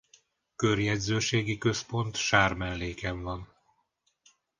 Körjegyzőségi központ Sármelléken van.